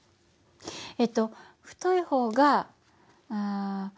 えっと太い方が速くて。